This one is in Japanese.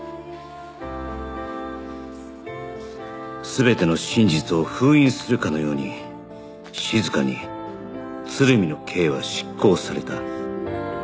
全ての真実を封印するかのように静かに鶴見の刑は執行された